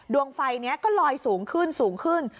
ดวงไฟนี้ก็ลอยสูงขึ้นสูงขึ้น